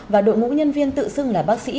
và đội ngũ nhân viên tự xưng là bác sĩ